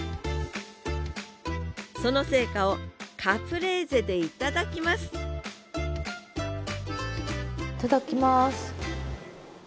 その成果をカプレーゼで頂きますいただきます。